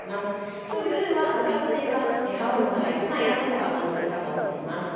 きょう夜は長袖か羽織るものが１枚あったほうが安心だと思います。